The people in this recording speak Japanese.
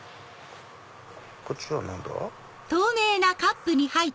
こっちは何だ？